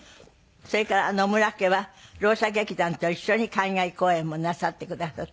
それから野村家はろう者劇団と一緒に海外公演もなさってくださっているという。